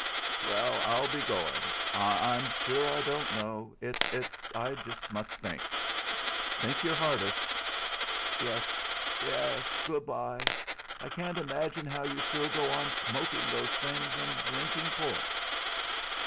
"Well, I'll be going. I'm sure I don't know. It's it's I must think." "Think your hardest." "Yes, yes. Good bye. I can't imagine how you still go on smoking those things and drinking port.